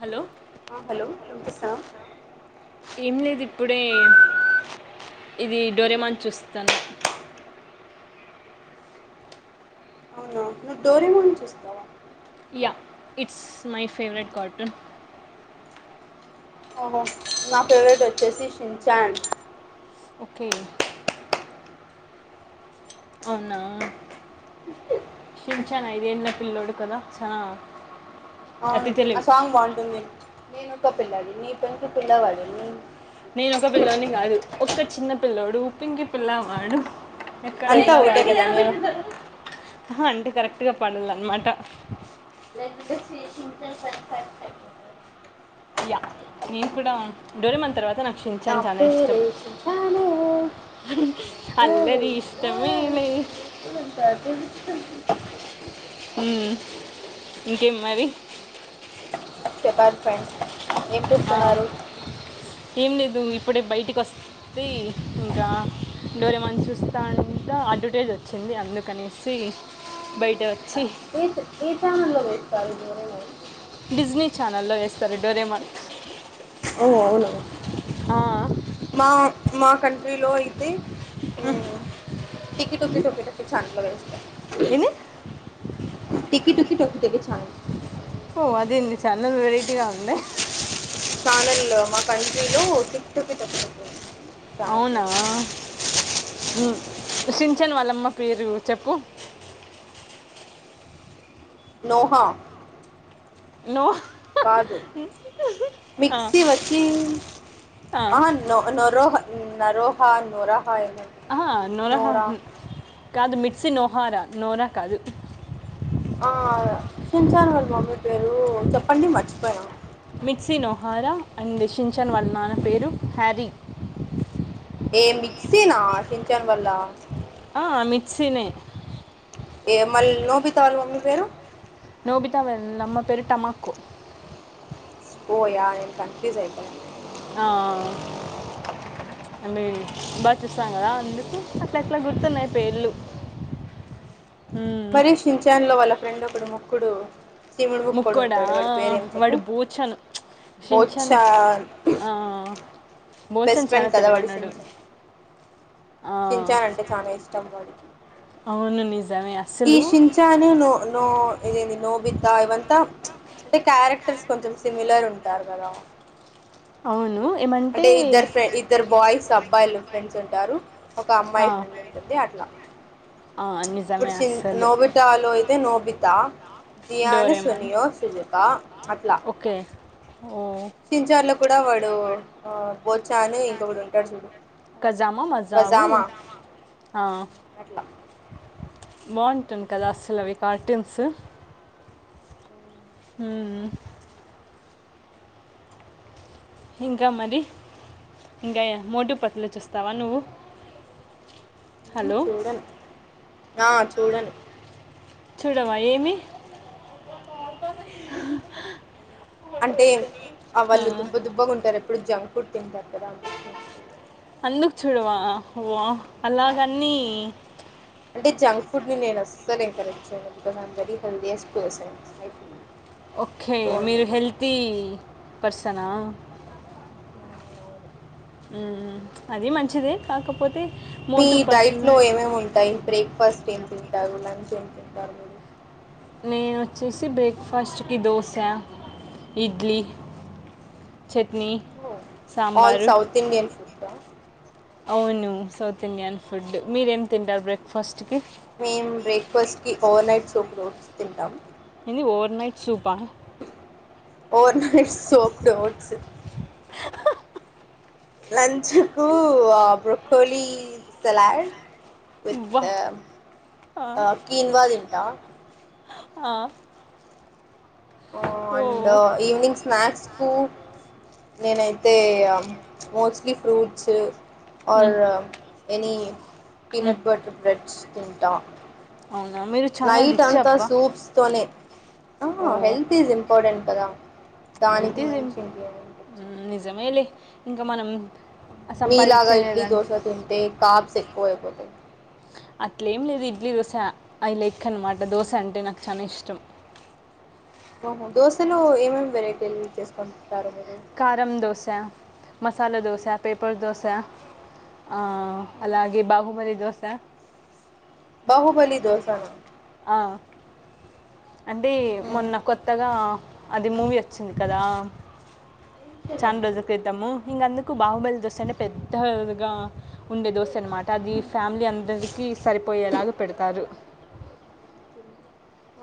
Hello ఆ hello సా ఏం లేదు ఇప్పుడే ఇది డోరేమాన్ చూస్తున్నా. [inaudible] అవునా నువ్వు డోరేమాన్ ని చూస్తావా. Yeah it's my favourite cartoon. ఓహో నా ఫేవరెట్ వచ్చేసి షిన్ఛాన్ ఓకే అవునా షిన్చాన్ ఐదేళ్ళ పిల్లోడు కదా చ అవును ఆ సాంగ్ బాగుంటుంది నేనుక్క పిల్లాడి నీ పెంకి పిల్లవాడిని. నేనొక పిల్లోడిని కాదు ఒక్క చిన్న పిల్లోడు పెంకి పిల్లవాడు అంతా ఎక్కడైనా ఒకటే వాడు కదా నేను అంటే కరెక్ట్ గా పడాల అన్నమాట. [unintelligible] యా నేను కూడా డోరేమాన్ తర్వాత నాకు నా షిన్చాన్ చాలా ఇష్టం. పేరే షిన్చానే అది అల్లరి ఇష్టమేలే [unintelligible] మ్మ్ ఇంకేం మరి చెప్పాలి ఫ్రెండ్ ఏం ఆ చేస్తున్నారు ఏం లేదు మి ఇప్పుడే బయటికి వస్తే ఇంకా డోరేమాన్ చూస్తా అంట అడ్వటేజ్ వచ్చింది అ అందుకనేసి బయట వచ్చి ఏతే ఏ ఛానెల్లో వేస్తారు మీరు డిస్నీ ఛానల్ లో వేస్తారు డోరేమాన్ ఓ అవునా ఆ, మా మా కంట్రీలో అయితే హు టికీ టికీ టోకీ టాకీ చానల్లో వేస్తారు ఏంది టకి టుకి టొక్కేకె చాం ఓ అదేంన్ని చాలా వెరైటీగా ఉందీ ఛానల్ మా కంట్రీల్ టిప్ టఫ్ తప్పపో అవునా ఉమ్ ఖుస్ చ్చన్ వాళ్ళమ్మ పేరు చెప్పు నోహా నోహ్ పాదు ఆ, మిక్సీ వచ్చి ఆ నో రోహన్ నరోహా దొర ఆ నోరాహ కాదు మిర్సీ నోహరా నోరా కాదు ఆ సింఛన్ వాళు మమ్మీ పేరు చెప్పండి మర్చిపొయిన మిక్సీ నోహారా అండి సింఛన్ వళ్ల నాన్న పేరు హ్యారీ ఏ మిక్సీనా సింఛన్ వల్ల హ మిక్సీనే ఏ మళ్ళీ నోబితా వాళ్ళ మమ్మీ పేరు నోబితా వల్ల నమ్మ పేరు టమాకో ఓ యా నేను కన్ఫ్యూస్ అనిపించిన అయితనా ఆ బాగా చూస్తాం కదా అందుకు అట్లా ఎట్లా గుర్తున్నాయి పేళ్ళు మరీ షీన్ ఛాన్లో వాళ్ళ ఫ్రెండ్ ఒకడు మొక్కుడు ముక్కోడా వాడు పూచను షీన్ ఛన్ బోచ్చా ఆ బెస్ట్ బోచన్ చాలా ఫ్రెండ్ తెలివి అయినోడు సింఛన్నంటే చాలా ఇష్టం వాడికి అవును అండి ఈ చింఛాను నో నో ఇదేంది నోబితా ఇవంతా అంటే క్యారెక్టర్స్ కొంచెం సిమిలర్ ఉంటారు కదా అవును ఏమంటే అంటే ఇద్దరు ఫ్రం ఇద్దరు బాయ్స్ అబ్బాయిలు ఫ్రెండ్స్ ఉంటారు ఒక ఆ, అమ్మాయి ఫ్రెండ్ ఉంటుంది లా ఆ నిజా ఇప్పుడు చి నోబితాలో అయితే నోబితా జియాన్ డోరేమాన్ సునియో సుజిత అట్లా ఓకే ఓ చిచార్లో కూడా వాడు చానీ ఇంకొకటి ఉంటాడు చూడు కజామా మజావు పజామా ఆ, అట్లా బాగుంటుంది కదా అస్సలు అవి కార్టూన్స్ హ్మ్ ఇంకా మరి ఇంకాయ మెట్టు పత్లు చూస్తావా నువ్వు హలో చూడను ఆ చూడను చూడవా ఏమి అంటే ఆ వాళ్ళు దుబ్బ దుబ్బగా ఉంటారు ఎప్పుడు జా త కక్కద ఉ అలాగన్ని అంటే జంక్ ఫుడ్ ని నేను ఎంకరేజ్ చేయను because um very healthiest person I feel okay so మీరు అందుకని హెల్తీ పర్సనా మ్ అవును. ఉ అది మంచిదే కాకపోతే మీ మోటు డైట్ లో పత్లు ఏమేమి ఉంటాయి బ్రేక్ఫాస్ట్ ఏంటి గులాబీ చెట్లు డబులు నేను వచ్చేసి బ్రేక్ఫాస్ట్కి దోశ ఇడ్లీ చట్నీ ఓ ఆల్ సాబార్ సౌత్ ఇండియన్ ఫుడ్డా అవును సౌత్ ఇండియన్ ఫుడ్ మీరేం తింటారు బ్రేక్ఫాస్ట్ కి మేము బ్రేక్ఫాస్ట్ కి ఓవర్ నైట్స్ ఓట్స్ తింటాం ఎంటి ఓర్ నైట్ సూపా or నైట్ట్స్ oats [unintelligible] లంచకు broccoli salad with వా ఆ, కీన్వా తింట ఆ ఓ అండ్ ఈవినింగ్ స్నాక్స్ కు నేనైతే mostly fruits or um, any um. Peanut butter breads తింటా అవునా మీరు చాలా నైట్ రిచ్ అంతా అబ్బా సూప్స్ తోనే ఆ ఓ హెల్త్ ఇస్ ఇంపార్టెంట్ కదా దానికి హెల్త్ ఇజిం మించి ఇంకేముండొచ్చు నిజమే లే ఇంకా మనం మీ లాగా సంపాదించేది ఇడ్లీ లేదంటే దోశ తింటే కాబ్స్ ఎక్కువ అయిపోతాయి అట్లే ఏం లేదు ఇడ్లీ దోశ ఐ లైక్ అనమాట దోశ అంటే నాకు చాలా ఇష్టం ఓహో దోశలో ఏమేమి వెరైటీలు చేసుకోం కారం దోసా మసాలా దోస పేపర్ దోస అలాగే బాహుబలి దోశ బహుబలి దోసానా ఆ అంటే మొన్న కొత్తగా అది మూవీ వచ్చింది కదా చాన్ రోజుల క్రితము ఇంగా అందు బాహుబలి దోశ అంటే పెద్దగా ఉండే దోశ అనమాట అది ఫ్యామిలీ అందరికి సరి పోయేలాగా పెడతారు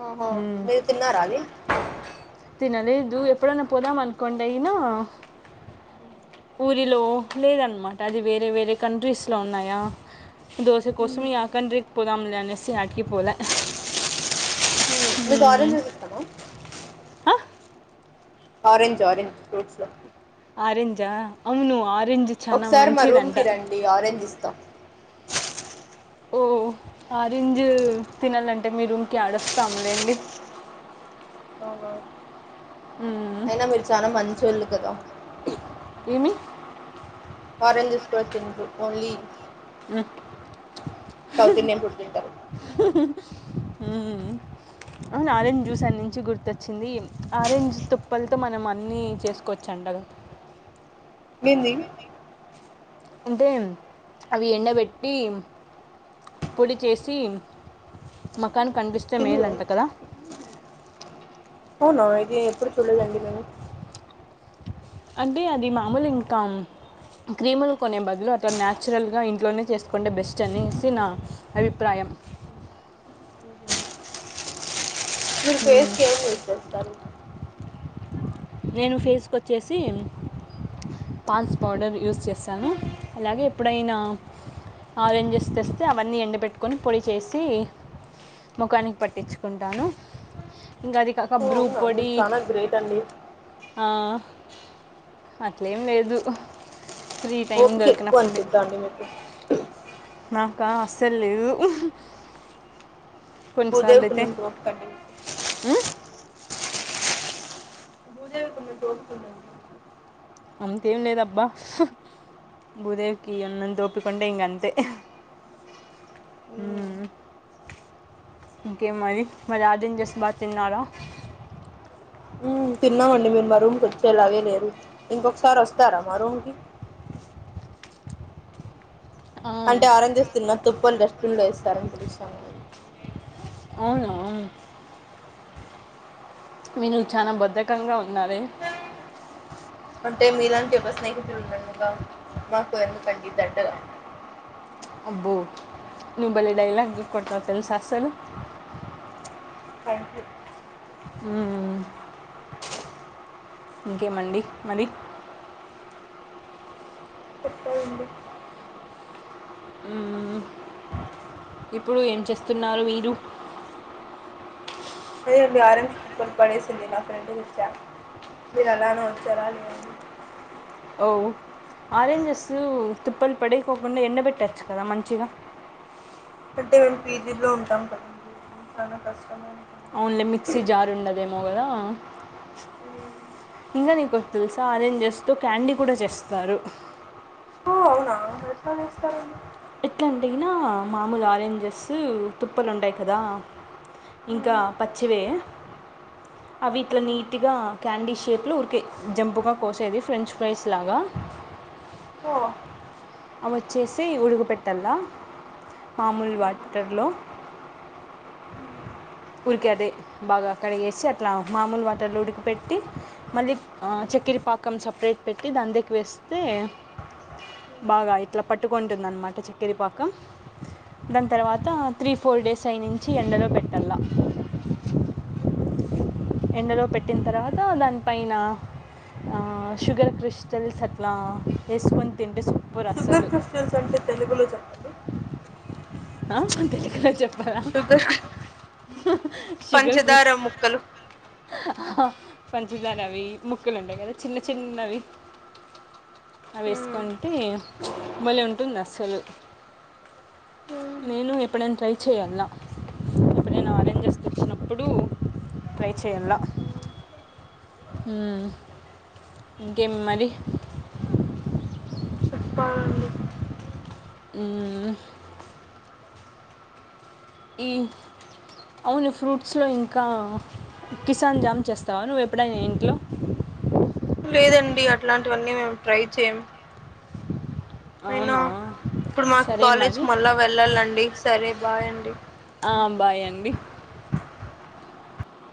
ఆహా మీరు తిన్నరా అది ను ఎప్పుడైనా పోదాం అనుకోండి అయినా ఊరిలో లేదన్నమాట అది వేరే వేరే కంట్రీస్లో ఉన్నాయా దోస కోసం మ్మ్. ఇగ ఆ కండ్రికి పోదాం లే అనేసి యాడికి పోలె మీకు ఆరంజస్ ఇష్టమా ఆరెంజ్ ఆరెంజ్ ఫ్రూట్స్లో ఆరెంజా అవును ఆరెంజ్ చనా ఒకసారి మా రూమ్ మంచిదంట కి రండి ఆరెంజ్ ఇస్తాం ఓ ఆరెంజు తిననండి అంటే మీ రూమ్ కీ ఏడ అస్తాం లేండి ఓహో ఉం అయినా మీరు చాల మంచ్చోళ్ళు కదా ఏమి ఆరెంజెస్ కూడా తిండ్రు ఓన్లీ ఉం సౌత్ ఇండియన్ ఫుడ్ తింటారు [unintelligible] అవును ఆరెంజ్ జ్యూస్ అన్నించి గుర్తొచ్చింది ఆరెంజ్ తుప్పలతో మనం అన్నీ చేసుకోవచ్చు అంటగా ఎంది అంటే అవి ఎండబెట్టి పొడి చేసి మకాన్ కనిపిస్తే మేలంట కదా అవునా ఇది ఎప్పుడు చూడలేదండి మేము అంటే అది మామూలు ఇంకామ్ క్రీములు కొనే బదులు అట్లా న్యాచురల్ గా ఇంట్లోనే చేసుకుంటే బెస్ట్ అనేసి నా అభిప్రాయం. యం ఫేస్కు మ్మ్. ఏమ్ యూస్ జేస్తరు. నేను ఫేస్కు వచ్చేసి పాండ్స్ పౌడర్ యూస్ చేస్తాను అలాగే ఎప్పుడైనా ఆరెంజెస్ తెస్తే అవన్నీ ఎండపెట్టుకొని పొడి చేసి మోఖానికి పట్టించుకుంటాను ఇంకా అది ఓకా ఓ భ్రూ అవునా మీరు పొడి చాలా గ్రేట్ అండి ఆ అట్లేం లేదు. ఫ్రీ టైమ్ ఓపిక ఎక్కువ దొరకినప్పుడే అనుకుంటా అండి మీకు నాకా అస్సలు లేదు. బుదేవి కొన్నిసార్లు అయితే కున్నంత ఓపిక కండి మీకు "ఉమ్, భూజేవికున్నంత ఓపిక ఉంటద నాకు అంతేం లేదబ్బా భూదేవికి ఉన్నంత ఓపికుంటే ఇంగ అంతే మ్మ్ ఉమ్ ఇంకే మరి మరి ఆరెంజెస్ బా తిన్నారా? తిన్నామండి మీరు మా రూమ్కి వచ్చేలాగే లేరు ఇంకొకసారి వస్తారా మా రూమ్కి. ఆ, అంటే ఆరెంజెస్ తిన్నా తుప్పలు డస్ట్బిన్ లో ఎస్తారని పిలుస్తావుండము. అవునా మీరు చాలా బద్ధకంగా ఉన్నారే. అంటే మీలాంటి ఒక స్నేహితులు ఉండడంగా మాకు ఎందుకండి దండగా అబ్బో నువ్ భలే డైలాగ్ కోటినవు తెలుసా అసలు థ్యాంక్ యూ ఉమ్ ఇంకేమండి మరి చెప్పాలండి. ఉమ్ ఇప్పుడు ఏం చేస్తున్నారు మీరు అదే అండి మీరేం ఆరెంజ్ తుప్పలు పడేసింది నా ఫ్రెండ్ తెచ్చా మీరు అలానే వచ్చారా లేదని [unintelligible] ఓ ఆరెంజస్ తుప్పల్ పడేకోకుండా ఎండబెట్టచ్చు కదా మంచిగా అంటే మేము పీజీ లో ఉంటాము కదండి చానా కష్టము అయినా అవున్లే మిక్సీ జార్ ఉండదేమో కదా ఉమ్. ఇంకా నీకు ఒకటి తెలుసా అరేంజ్ తో క్యాండీ కూడా చేస్తారు. ఓ అవునా ఎట్ల చేస్తారండి. ఎట్లాంటీనా మామూలు ఆరెంజెస్ తుప్పలు ఉంటాయి కదా. ఇంకా ఉమ్. పచ్చివే అవి ఇట్లా నీట్గా క్యాండీ షేప్లు ఉరికే జంపుగా కోసేది ఫ్రెంచ్ ఫ్రైస్ లాగా ఓ అవిచ్చేసి ఉడుగు పెట్టాల మామూలు ఉమ్, వాటతర్లో ఉమ్ ఉరికే అదే బాగా కడిగేసి అట్లా మామూలు వాటర్లో ఉడికిపెట్టి మళ్ళీ ఉమ్, ఉమ్, చక్కెర పాకం సపరేట్ పెట్టి దాంట్లోకి వేస్తే. బాగా ఇట్లా పట్టుకుంటుంది. అనమాట చక్కెర పాకం దా తర్వాత త్రీ ఫోర్ డేస్ అయినుంచి ఎండలో పెట్టాల. ఉమ్. ఎండలో పెట్టిన తర్వాత దాని పైన ఆ షుగర్ క్రిస్టల్స్ అట్లా వేసుకొని తింటే షుగర్ అస్సలు క్రిస్టల్స్ అంటే తెలుగులో చెప్పండి. ఆ తెలుగులో చెప్పారా. షుగర్ పంచదార శుగర్ఖషార ముక్కలు [unintelligible] పంచదార అవి ముక్కలు ఉంటాయి కదా చిన్న చిన్నవి. అవి ఉమ్, వేసుకుంటే భలే ఉంటుంది. అస్సలు ఉమ్, నేను ఎప్పుడైనా ట్రై చేయాల్ల. ఎపుడైనా అరేంజెస్ తేచ్చినప్పుడు ట్రై చేయాలా. ఉమ్. ఉమ్ ఇంకేం మరి. చెప్పాలండి. మ్మ్ ఈ అవును ఫ్రూట్స్ లో ఇంకా కిసాన్ జామ్ చేస్తావా నువ్వు ఎప్పుడైనా ఇంట్లో లేదండి అట్లాంటివన్నీ మేము ట్రై చేయం. అయినా అవునా ఇప్పుడు మాకు సరే కాలేజ్ మరి మళ్ళా వెళ్ళాలండి సరే బాయ్ అండి. ఆ బాయ అండి.